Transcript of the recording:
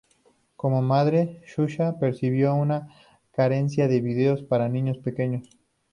Como madre, Xuxa percibió una carencia de videos para niños pequeños.